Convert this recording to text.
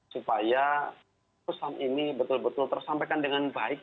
supaya pesan ini betul betul tersampaikan dengan baik